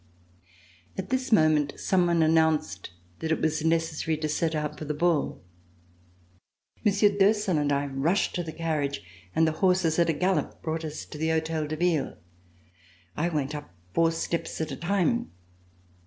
At this moment someone announced that it was necessary to set out for the ball. Monsieur d'Ursel and I rushed to the carriage, and the horses, at a gallop, brought us to the Hotel de Ville. I went up four steps at a time.